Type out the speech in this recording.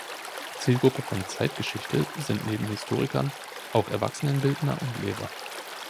Zielgruppe von „zeitgeschichte“ sind neben Historikern auch Erwachsenenbildner und Lehrer.